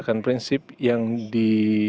dan prinsip yang di